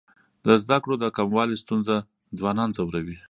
د زده کړو د کموالي ستونزه ځوانان ځوروي.